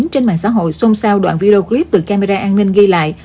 trên mạng xã hội xôn xao đoạn video clip từ camera an ninh ghi lại